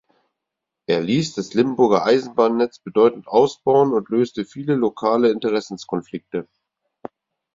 Er ließ das Limburger Eisenbahnnetz bedeutend ausbauen und löste viele lokale Interessenkonflikte.